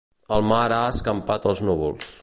El mar ha escampat els núvols.